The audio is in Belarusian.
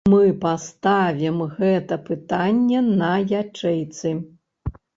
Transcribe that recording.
Мы паставім гэта пытанне на ячэйцы.